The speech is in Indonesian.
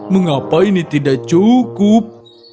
mengapa ini tidak cukup